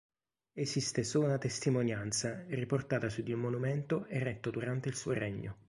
Esiste solo una testimonianza, riportata su di un monumento eretto durante il suo regno.